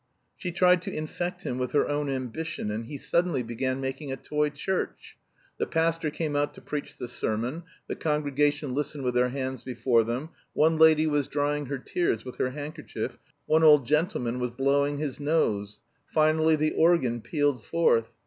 She tried to infect him with her own ambition, and he suddenly began making a toy church: the pastor came out to preach the sermon, the congregation listened with their hands before them, one lady was drying her tears with her handkerchief, one old gentleman was blowing his nose; finally the organ pealed forth.